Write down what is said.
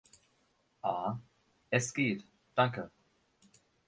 A: Es geht, danke.